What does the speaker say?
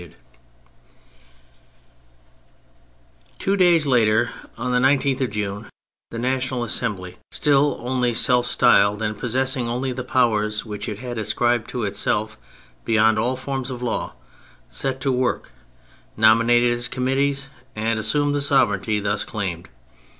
Two days later, on the 19th of June, the " National Assembly," still only self styled and possessing only the powers which it had ascribed to itself beyond all forms of law, set to work, nominated its committees, and assumed the sovereignty thus claimed.